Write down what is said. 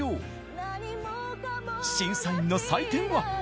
審査員の採点は。